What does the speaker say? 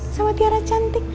sama tiara cantik